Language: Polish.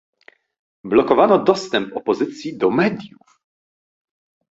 Blokowano dostęp opozycji do mediów